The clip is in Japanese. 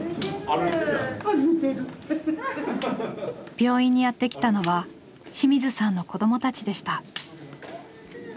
病院にやって来たのは清水さんの子どもたちでした。